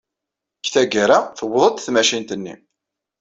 Deg tgara, tuweḍ-d tmacint-nni.